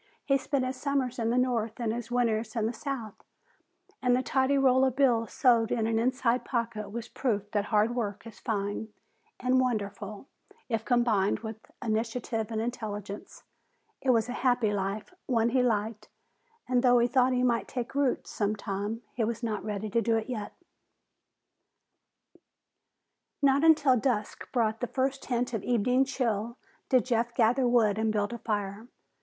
He spent his summers in the north and his winters in the south, and the tidy roll of bills sewed in an inside pocket was proof that hard work is fine and wonderful if combined with initiative and intelligence. It was a happy life, one he liked, and though he thought he might take roots some time, he was not ready to do it yet. Not until dusk brought the first hint of evening chill did Jeff gather wood and build a fire.